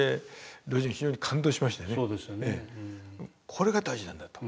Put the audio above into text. これが大事なんだと。